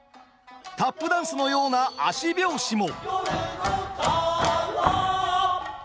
タップダンスのような足拍子も。